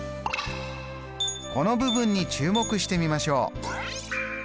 この部分に注目してみましょう。